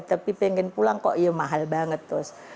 tapi pengen pulang kok ya mahal banget terus